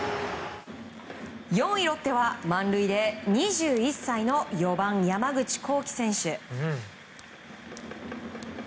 ４位ロッテは満塁で２１歳の４番、山口航輝選手。